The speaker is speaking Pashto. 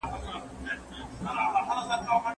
د بشري حقونو سازمانونو راپورونه خپرول.